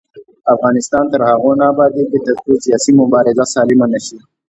افغانستان تر هغو نه ابادیږي، ترڅو سیاسي مبارزه سالمه نشي.